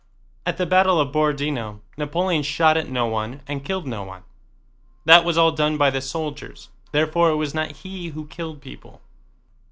At the battle of Borodinó Napoleon shot at no one and killed no one. That was all done by the soldiers. Therefore it was not he who killed people.